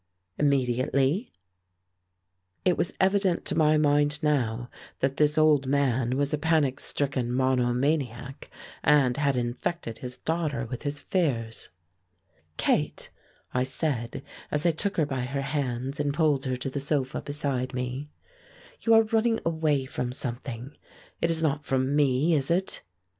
"Immediately." It was evident to my mind now that this old man was a panic stricken monomaniac, and had infected his daughter with his fears. "Kate," I said, as I took her by her hands and pulled her to the sofa beside me, "you are running away from something; it is not from me, is it?"